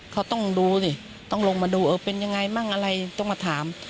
เขาต้องดูสิต้องลงมาดูเออเป็นยังไงมั่งอะไรต้องมาถาม